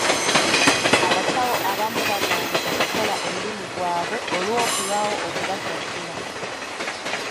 Abasawo abamu baagaanye okukola omulimu gwabwe olw'okulwawo okubasasula.